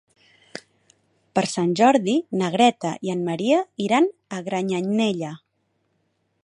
Per Sant Jordi na Greta i en Maria iran a Granyanella.